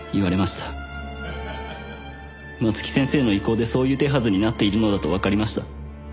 「松木先生の威光でそういう手筈になっているのだと解りました」